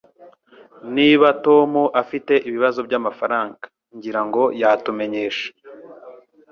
Niba Tom afite ibibazo byamafaranga, ngira ngo yatumenyesha.